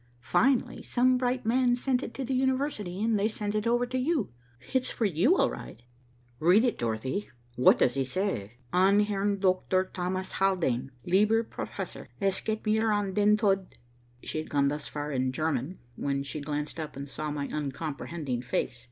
Finally some bright man sent it to the University, and they sent it over to you. It's for you all right." "Read it, Dorothy. What does he say?" "An Herrn Doktor Thomas Haldane. "Lieber Professor: Es geht mir an den tod " She had gone thus far in the German, when she glanced up and saw my uncomprehending face.